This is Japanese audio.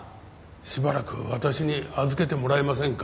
しばらく私に預けてもらえませんか？